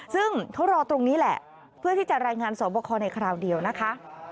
ซึ่งเขารอตรงนี้แหละเพื่อที่จะรายงานสอบคอในคราวเดียวนะคะ